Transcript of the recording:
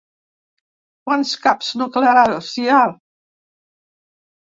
Quants caps nuclears hi ha?